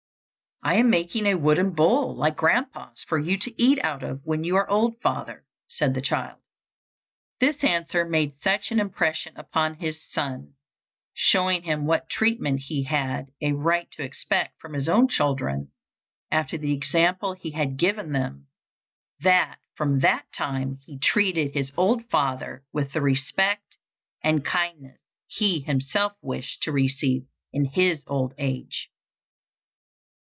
"I am making a wooden bowl like grandpa's, for you to eat out of when you are old, father," said the child. This answer made such an impression upon the son, showing him what treatment he had a right to expect from his own children after the example he had given them, that from that time he treated his old father with the respect and kindness he himself wished to receive in his old age.